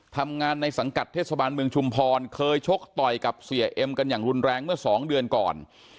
ทำงานในสังกัดเทศบาลเมืองชุมพรเคยชกต่อยกับเสียเอ็มกันอย่างรุนแรงเมื่อสองเดือนก่อน